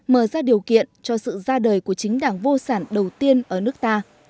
mở ra điều kiện cho sự ra đời của chính đảng vô sản đầu tiên ở nước ta